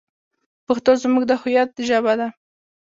پښتو زموږ د هویت ژبه ده.